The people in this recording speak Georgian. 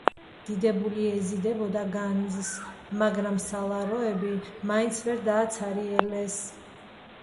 დიდებული ეზიდებოდა განძს, მაგრამ სალაროები მაინც ვერ დააცარიელეს.